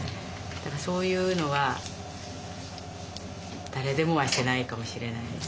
そういうのは誰でもはしてないかもしれないですよね。